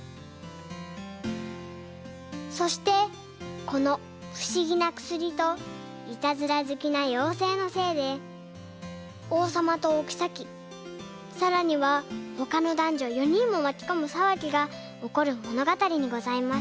そしてこのふしぎなくすりといたずらずきなようせいのせいでおうさまとおきさきさらにはほかのだんじょ４にんもまきこむさわぎがおこるものがたりにございます。